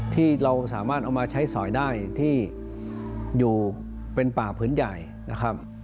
ที่เราสามารถเอามาใช้สอยได้ที่อยู่เป็นป่าพื้นใหญ่นะครับ